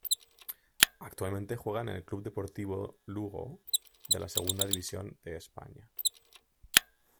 Actualmente juega en el Club Deportivo Lugo de la Segunda División de España.